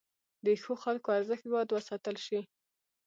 د ښو خلکو ارزښت باید وساتل شي.